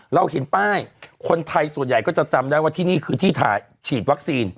เห็นป้ายคนไทยส่วนใหญ่ก็จะจำได้ว่าที่นี่คือที่ถ่ายฉีดวัคซีน